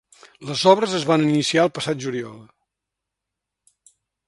Les obres es van iniciar el passat juliol.